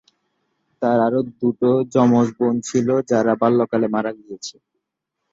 তার আরো দুটো জমজ বোন ছিল যারা বাল্যকালে মারা গিয়েছে।